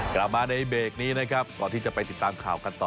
กลับมาในเบรกนี้นะครับก่อนที่จะไปติดตามข่าวกันต่อ